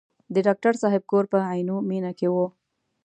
د ډاکټر صاحب کور په عینومېنه کې و.